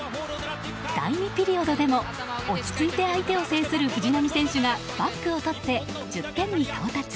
第２ピリオドでも、落ち着いて相手を制する藤波選手がバックをとって１０点に到達。